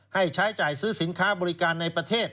ให้ใช้จ่ายซื้อสินค้าบริการในประเทศ